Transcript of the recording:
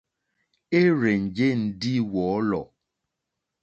É rzènjé ndí wɔ̌lɔ̀.